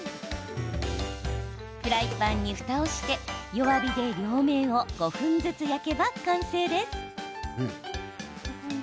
フライパンにふたをして弱火で両面を５分ずつ焼けば完成です。